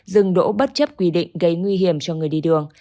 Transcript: dừng đỗ bất chấp quy định gây nguy hiểm cho người đi đường